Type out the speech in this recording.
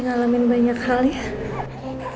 ngalamin banyak halnya